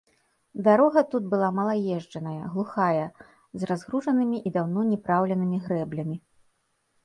Дарога тут была малаезджаная, глухая, з разгружанымі і даўно не праўленымі грэблямі.